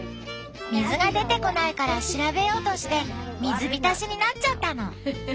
水が出てこないから調べようとして水浸しになっちゃったの。